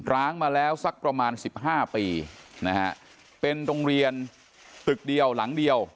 ้างมาแล้วสักประมาณสิบห้าปีนะฮะเป็นโรงเรียนตึกเดียวหลังเดียว